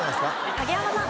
影山さん。